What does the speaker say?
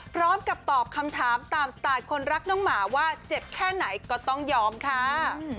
พร้อมกับตอบคำถามตามสไตล์คนรักน้องหมาว่าเจ็บแค่ไหนก็ต้องยอมค่ะ